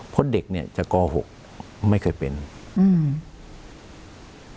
เพราะเด็กเนี้ยจะโกหกไม่เคยเป็นอืม